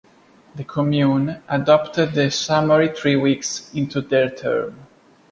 The Commune adopted the summary three weeks into their term.